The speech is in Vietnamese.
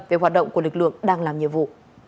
về hoạt động của lực lượng đang làm nhiệm vụ